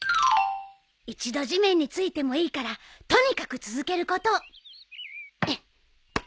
一度地面に付いてもいいからとにかく続けること。